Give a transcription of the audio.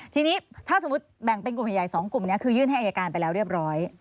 ทีนี้ถ้าสมมุติแบ่งเป็นกลุ่มใหญ่๒กลุ่มนี้คือยื่นให้อายการไปแล้วเรียบร้อย